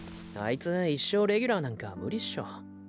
いつ一生レギュラーなんかムリっしょ。